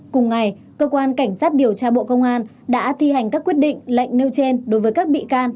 cùng ngày cơ quan cảnh sát điều tra bộ công an đã thi hành các quyết định lệnh nêu trên đối với các bị can